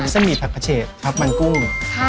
สะหมีผักผาเชษครับมั่นกุ้ม